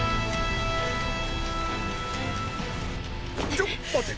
ちょ待て。